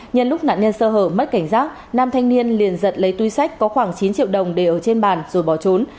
nhân lúc nạn nhân sơ hở mất cảnh giác nam thanh niên liền giật lấy túi sách có khoảng chín triệu đồng để ở trên bàn rồi bỏ trốn